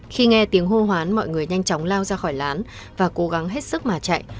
khi nghe tiếng hô hoán mọi người nhanh chóng lao ra khỏi lán và cố gắng hết sức mà chạy